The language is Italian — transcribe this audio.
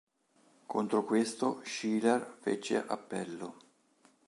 Contro questo Schleyer fece appello.